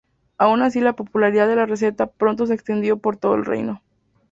Aun así la popularidad de la receta pronto se extendió por todo el reino.